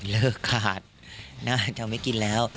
เลิกขาดน่าจะไม่กินแล้ว